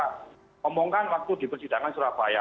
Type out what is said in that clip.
dan itu pun mereka omongkan waktu di persidangan surabaya